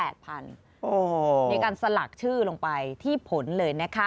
โอ้โหในการสลักชื่อลงไปที่ผลเลยนะคะ